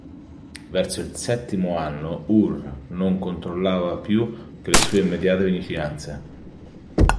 Verso il settimo anno Ur non controllava più che le sue immediate vicinanze.